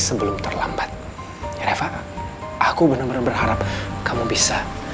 sebelum terlambat aku benar benar berharap kamu bisa